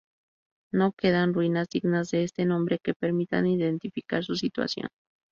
No quedan ruinas dignas de este nombre que permitan identificar su situación.